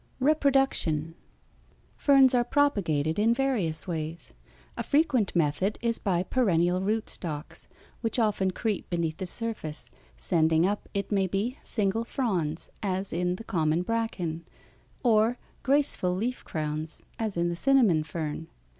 REPRODUCTION Ferns are propagated in various ways. A frequent method is by perennial rootstocks, which often creep beneath the surface, sending up, it may be, single fronds, as in the common bracken, or graceful leaf crowns, as in the cinnamon fern.